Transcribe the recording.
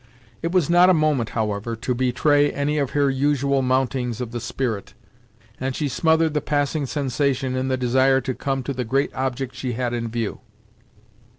It was not a moment, however, to betray any of her usual mountings of the spirit, and she smothered the passing sensation in the desire to come to the great object she had in view.